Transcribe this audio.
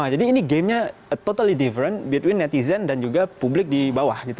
jadi ini gamenya totally different between netizen dan juga publik di bawah